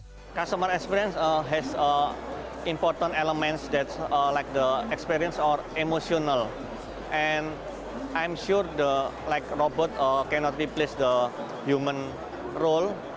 saya yakin robot tidak bisa membuat peran manusia untuk membuat pengalaman emosional untuk pengguna atau pelanggan